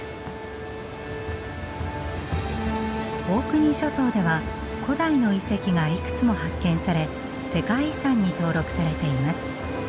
オークニー諸島では古代の遺跡がいくつも発見され世界遺産に登録されています。